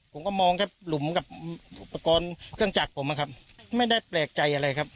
ผมก็มองแค่หลุมกับอุปกรณ์เครื่องจักรผมนะครับไม่ได้แปลกใจอะไรครับ